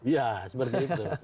ya seperti itu